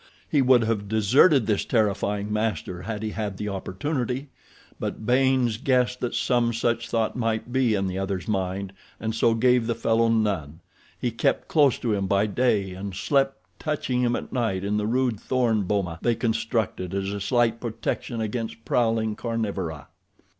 He would have deserted this terrifying master had he had the opportunity; but Baynes guessed that some such thought might be in the other's mind, and so gave the fellow none. He kept close to him by day and slept touching him at night in the rude thorn boma they constructed as a slight protection against prowling carnivora.